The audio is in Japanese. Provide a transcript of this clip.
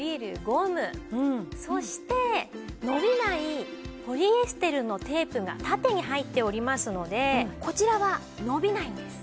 そして伸びないポリエステルのテープが縦に入っておりますのでこちらは伸びないんです。